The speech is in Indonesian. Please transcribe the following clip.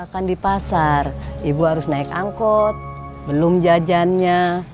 kan di pasar ibu harus naik angkot belum jajannya